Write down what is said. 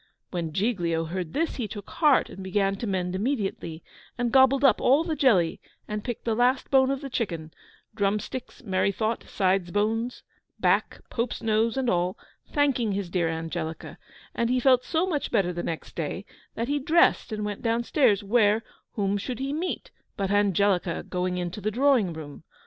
When Giglio heard this he took heart, and began to mend immediately; and gobbled up all the jelly, and picked the last bone of the chicken drum sticks, merry thought, sides' bones, back, pope's nose, and all thanking his dear Angelica: and he felt so much better the next day, that he dressed and went down stairs where whom should he meet but Angelica going into the drawing room?